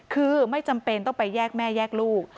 คือไม่จำเป็นต้องไปแยกแม่แยกลูก